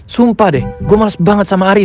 sumpah deh gue males banget sama ari